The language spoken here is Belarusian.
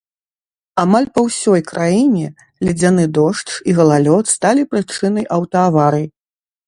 Амаль па ўсёй краіне ледзяны дождж і галалёд сталі прычынай аўтааварый.